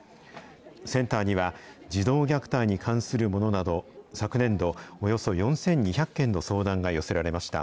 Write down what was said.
センターには、児童虐待に関するものなど、昨年度、およそ４２００件の相談が寄せられました。